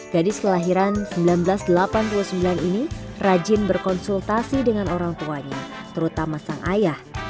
gadis kelahiran seribu sembilan ratus delapan puluh sembilan ini rajin berkonsultasi dengan orang tuanya terutama sang ayah